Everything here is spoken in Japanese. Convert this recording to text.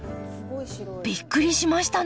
びっくりしましたね